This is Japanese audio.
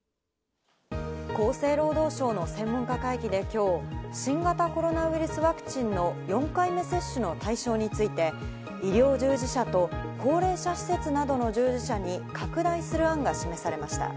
厚生労働省の専門家会議で今日、新型コロナウイルスワクチンの４回目接種の対象について、医療従事者と高齢者施設などの従事者に拡大する案が示されました。